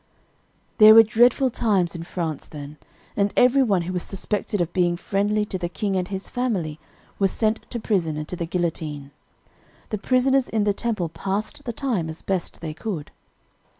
"There were dreadful times in France then, and every one who was suspected of being friendly to the king and his family was sent to prison and to the guillotine. The prisoners in the Temple passed the time as best they could.